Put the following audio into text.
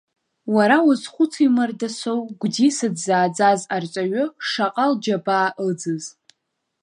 Уара уазхәыци, Мардасоу, Гәдиса дзааӡаз арҵаҩы шаҟа лџьабаа ыӡыз.